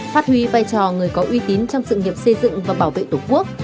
phát huy vai trò người có uy tín trong sự nghiệp xây dựng và bảo vệ tổ quốc